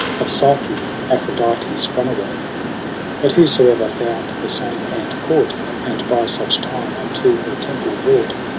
Of Psyche, Aphrodite's runaway ; That whosoever found the same and caught, And by such time unto her temple brought.